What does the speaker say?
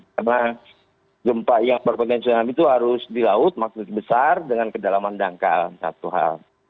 karena gempa yang berpotensi tsunami itu harus di laut maksudnya besar dengan kedalaman dangkal satu hal